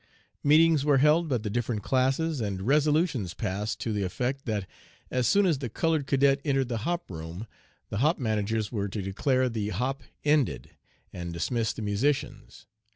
"Meetings were held by the different classes, and resolutions passed to the effect that as soon as the colored cadet entered the 'hop' room, the 'hop' managers were to declare the 'hop' ended, and dismiss the musicians.